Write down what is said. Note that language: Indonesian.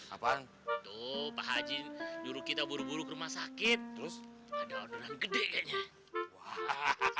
apaan tuh pak haji juru kita buru buru ke rumah sakit terus ada orderan gede kaya nya hahaha